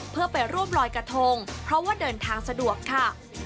เพื่อไปร่วมลอยกระทงเพราะว่าเดินทางสะดวกค่ะ